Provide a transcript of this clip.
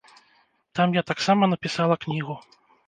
Там я таксама напісала кнігу.